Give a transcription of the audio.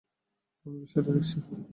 আমি বিষয়টা দেখছি।